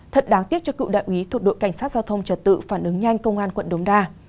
thật đáng tiếc cho cựu đại úy thuộc đội cảnh sát giao thông trật tự phản ứng nhanh công an quận đống đa